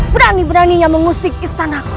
berani beraninya mengusik istanaku